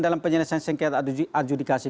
dalam penyelesaian sengketa adjudikasi